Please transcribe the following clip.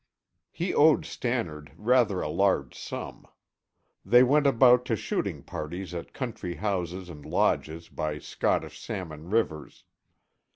He owed Stannard rather a large sum. They went about to shooting parties at country houses and lodges by Scottish salmon rivers.